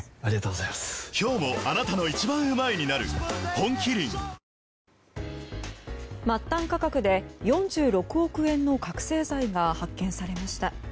本麒麟末端価格で４６億円の覚醒剤が発見されました。